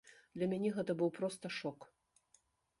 Для мяне гэта быў проста шок.